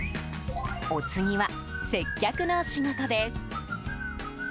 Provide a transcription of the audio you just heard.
お次は接客の仕事です。